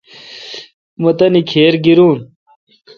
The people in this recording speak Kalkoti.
مہتانی کھِر گیرون۔